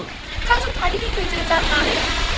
เจ้าสุดท้ายที่พี่เคยเจอจันไว้